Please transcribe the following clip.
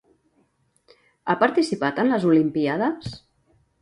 Ha participat en les Olimpíades?